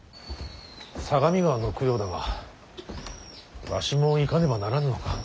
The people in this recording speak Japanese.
相模川の供養だがわしも行かねばならんのか。